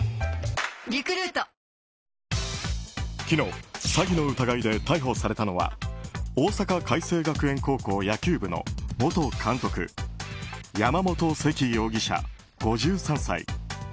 昨日詐欺の疑いで逮捕されたのは大阪偕星学園高校野球部の元監督山本セキ容疑者、５３歳。